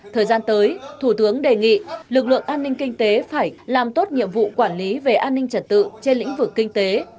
thời gian tới thủ tướng đề nghị lực lượng an ninh kinh tế phải làm tốt nhiệm vụ quản lý về an ninh trật tự trên lĩnh vực kinh tế